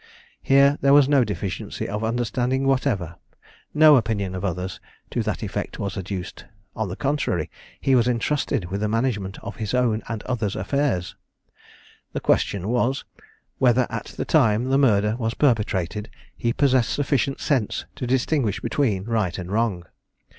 Here there was no deficiency of understanding whatever no opinion of others to that effect was adduced; on the contrary, he was entrusted with the management of his own and others' affairs. The question was, whether at the time the murder was perpetrated he possessed sufficient sense to distinguish between right and wrong?